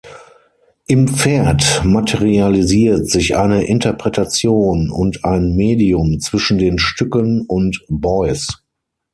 Im Pferd materialisiert sich eine Interpretation und ein Medium zwischen den Stücken und Beuys.